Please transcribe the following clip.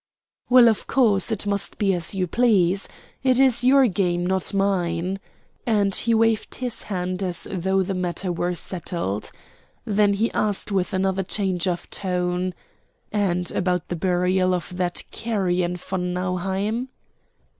"Well, of course, it must be as you please. It is your game, not mine," and he waved his hand as though the matter were settled. Then he asked with another change of tone: "And about the burial of that carrion von Nauheim?"